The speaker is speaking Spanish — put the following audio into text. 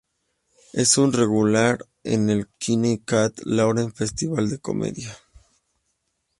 Es un regular en el Kilkenny Cat Laughs festival de comedia.